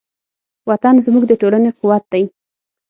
وطن زموږ د ټولنې قوت دی.